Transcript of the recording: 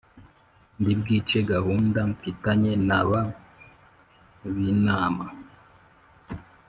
ndi bwice gahunda mfitanye na ba binama.